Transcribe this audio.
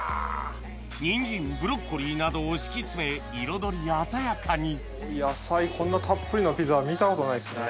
ニンジンブロッコリーなどを敷き詰め彩り鮮やかに野菜こんなたっぷりなピザは見たことないですね。